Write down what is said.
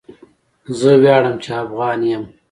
زه ویاړم چې افغان یم.